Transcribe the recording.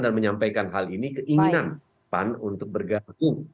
dan menyampaikan hal ini keinginan pan untuk bergabung